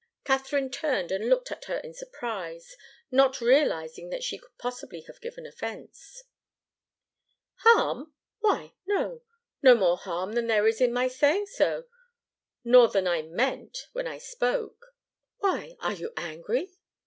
Katharine turned and looked at her in surprise, not realizing that she could possibly have given offence. "Harm! why no no more harm than there is in my saying so nor than I meant, when I spoke. Why, are you angry?"